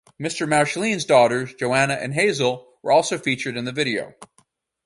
Mr Mauchline's daughters Joanna and Hazel were also featured in the video.